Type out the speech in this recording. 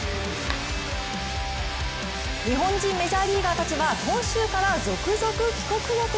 日本人メジャーリーガーたちは今週から続々、帰国予定。